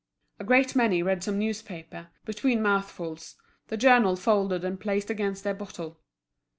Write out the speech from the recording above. A great many read some newspaper, between mouthfuls, the journal folded and placed against their bottle.